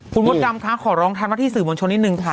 คุณมดดำคะขอร้องทำหน้าที่สื่อมวลชนนิดนึงค่ะ